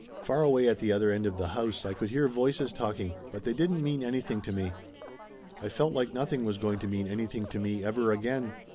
Far away at the other end of the house I could hear voices talking, but they didn't mean anything to me. I felt like nothing was going to mean anything to me ever again.